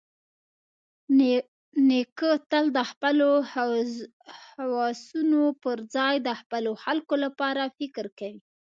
نیکه تل د خپلو هوسونو پرځای د خپلو خلکو لپاره فکر کوي.